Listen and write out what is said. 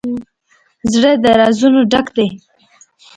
زړه د رازونو ډک دی.